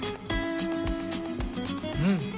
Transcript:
うん。